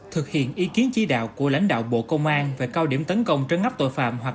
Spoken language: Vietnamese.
thực hiện ý kiến chỉ đạo của lãnh đạo bộ công an về cao điểm tấn công trấn ngắp tội phạm hoạt